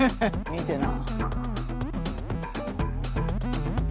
見てな。